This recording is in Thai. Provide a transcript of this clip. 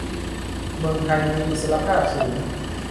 เมืองไทยมีอิสรภาพสูง